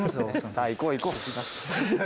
さあ行こう行こう。